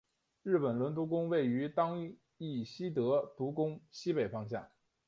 日木伦独宫位于当圪希德独宫西北方向。